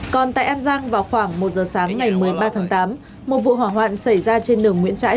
còn tại an giang vào khoảng một giờ sáng ngày một mươi ba tháng tám một vụ hỏa hoạn xảy ra trên đường nguyễn trãi